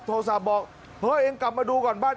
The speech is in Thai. โทรศัพท์บอกเฮ้ยเองกลับมาดูก่อนบ้าน